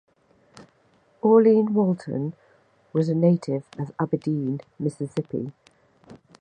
Orline Walton was a native of Aberdeen, Mississippi.